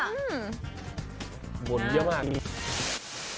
บุญเยอะมาก